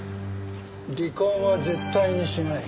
離婚は絶対にしない。